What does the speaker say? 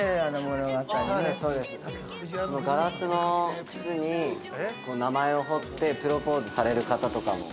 そのガラスの靴に名前を彫ってプロポーズされる方とかも。